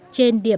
trên đường đường